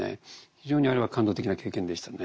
非常にあれは感動的な経験でしたね。